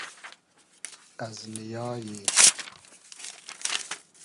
از نییای